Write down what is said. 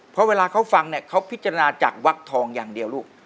เพราะเวลาเขาฟังเนี่ยเขาพิจารณาจากวักทองอย่างเดียวลูก